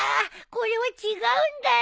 これは違うんだよ！